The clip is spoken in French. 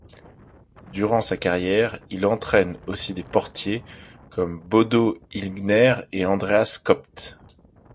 Durant sa carrière, il entraîne aussi des portiers comme Bodo Illgner et Andreas Köpke.